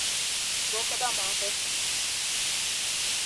Boca da Mata